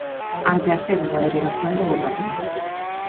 Ante a sede da Delegación do Goberno.